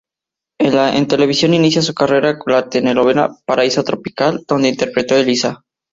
En televisión inicia su carrera con la telenovela "Paraíso Tropical", donde interpretó a Elisa.